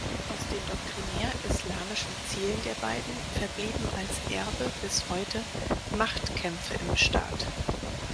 Aus den doktrinär-islamischen Zielen der beiden verblieben als Erbe bis heute Machtkämpfe im Staat.